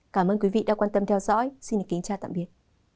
cảm ơn quý vị đã quan tâm theo dõi xin kính chào tạm biệt